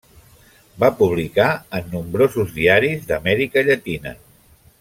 Va publicar en nombrosos diaris d'Amèrica Llatina.